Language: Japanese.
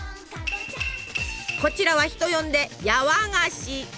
こちらは人呼んでやわがし。